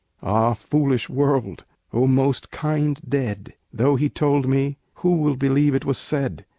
Ah, foolish world! O most kind dead! Though he told me, who will believe it was said?